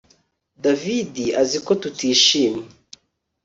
David azi ko tutishimye